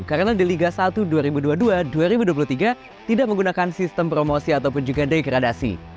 karena di liga satu dua ribu dua puluh tiga dua ribu dua puluh dua tidak menggunakan sistem promosi ataupun juga degradasi